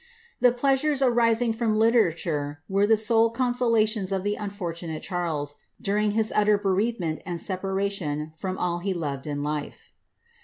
The pleasures arising from literature were the sole consolations of the nfortnnate Charles, during his utter bereavement and separation from dl he loved in life.